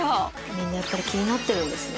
みんなこれ気になってるんですね。